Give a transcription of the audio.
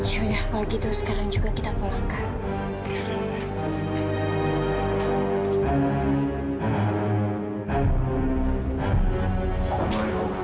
ya kalau gitu sekarang juga kita pulangkan